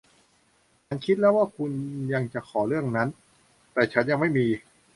ฉันคิดไว้แล้วว่าคุณจะขอเรื่องนั้น แต่ฉันยังไม่มี